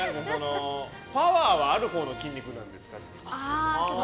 パワーはあるほうの筋肉なんですか？